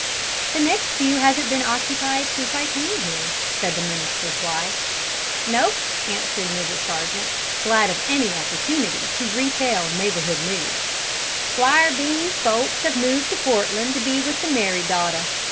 "The next pew hasn't been occupied since I came here," said the minister's wife. "No," answered Mrs. Sargent, glad of any opportunity to retail neighbourhood news. "'Squire Bean's folks have moved to Portland to be with the married daughter.